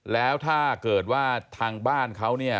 แล้วถ้าเกิดว่าทางบ้านเขาเนี่ย